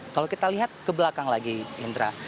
kalau kita lihat ke belakang lagi indra